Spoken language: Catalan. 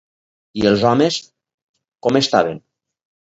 I els homes com estaven?